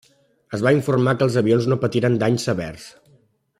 Es va informar que els avions no patiren danys severs.